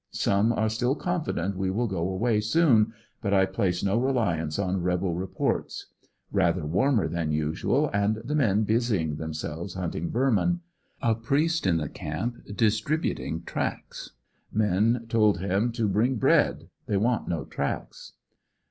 Some are still confi dent we will go away soon, but I place no reliance on rebel reports Rather warmer than usual, and the men busying themselves hunting vermin. A priest in the camp distributing tracts. Men told him to biing bread; they want no tracts.